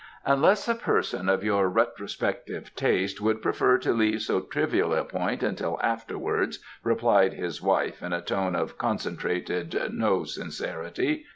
"Unless a person of your retrospective taste would prefer to leave so trivial a point until afterwards," replied his wife in a tone of concentrated no sincerity.